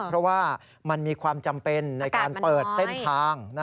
เพราะว่ามันมีความจำเป็นในการเปิดเส้นทาง